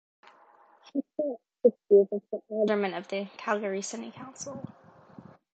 He spent six years as an Alderman of the Calgary City Council.